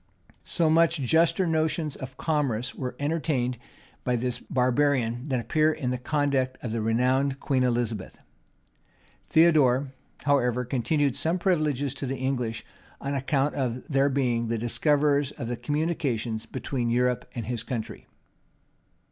[*] So much juster notions of commerce were entertained by this barbarian than appear in the conduct of the renowned Queen Elizabeth! Theodore, however, continued some privileges to the English, on account of their being the discoverers of the communication between Europe and his country.